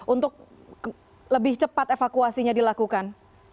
untuk lebih cepat evakuasinya dilakukan